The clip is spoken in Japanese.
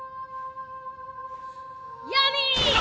ヤミー！